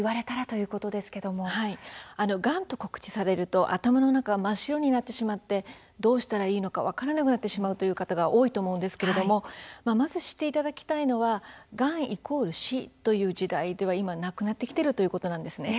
がんと告知されると頭の中が真っ白になってしまってどうしたらいいのか分からなくなってしまうという方が多いと思うんですがまず知っていただきたいのは今はがんイコール死という時代ではなくなってきているということです。